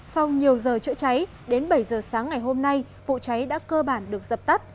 sau nhiều giờ chữa cháy đến bảy giờ sáng ngày hôm nay vụ cháy đã cơ bản được dập tắt